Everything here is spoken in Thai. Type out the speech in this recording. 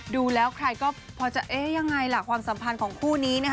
ดูแล้วใครก็พอจะเอ๊ะยังไงล่ะความสัมพันธ์ของคู่นี้นะคะ